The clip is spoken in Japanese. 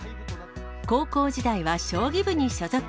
高校時代は将棋部に所属。